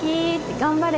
頑張れ。